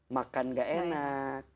makan gak enak